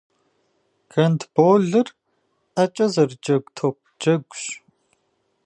Гандболыр ӏэкӏэ зэрыджэгу топ джэгущ.